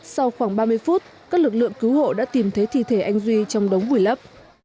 sau khoảng ba mươi phút các lực lượng cứu hộ đã tìm thấy thi thể anh duy trong đống vùi lấp